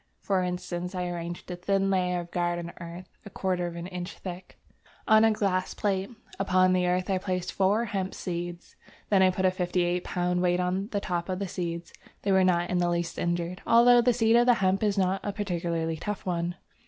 For instance, I arranged a thin layer of garden earth (a quarter of an inch thick) on a glass plate; upon the earth I placed four hemp seeds; then I put a 58 lb. weight on the top of the seeds. They were not in the least injured, although the seed of the hemp is not a particularly tough one.